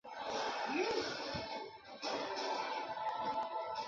而中古汉语的微母通常被拟作此音。